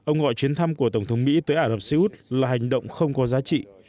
năm của tổng thống mỹ tới ả rập xê út là hành động không có giá trị